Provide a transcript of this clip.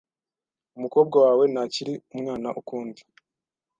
Umukobwa wawe ntakiri umwana ukundi.